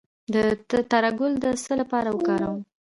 د تره ګل د څه لپاره وکاروم؟